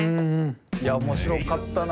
いや面白かったな。